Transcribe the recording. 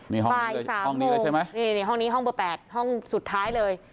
นี่ห้องนี้เลยใช่ไหมนี่ห้องนี้ห้องเบอร์๘ห้องสุดท้ายเลย